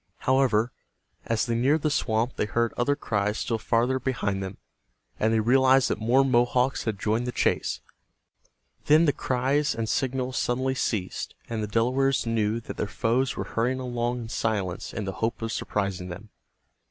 However, as they neared the swamp they heard other cries still farther behind them, and they realized that more Mohawks had joined the chase. Then the cries and signals suddenly ceased, and the Delawares knew that their foes were hurrying along in silence in the hope of surprising them.